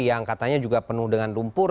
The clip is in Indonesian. yang katanya juga penuh dengan lumpur